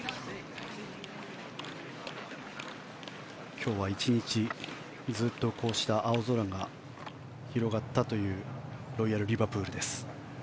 今日は１日ずっとこうした青空が広がったロイヤルリバプールです。